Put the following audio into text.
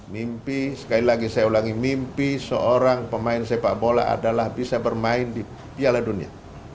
mimpi sekali lagi saya ulangi mimpi seorang pemain sepak bola adalah bisa bermain di piala dunia